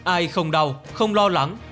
ai không đau không lo lắng